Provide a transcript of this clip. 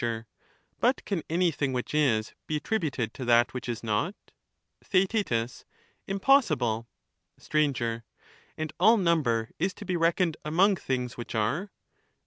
Str, But can anything which is, be attributed to that which is not ? TheaeU Impossible. Str. And all number is to be reckoned among things which are?